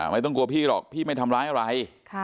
ไม่ต้องกลัวพี่หรอกพี่ไม่ทำร้ายอะไร